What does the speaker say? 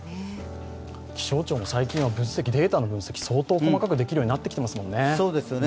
気象庁も最近はデータの分析、相当細かくできるようになってますもんね。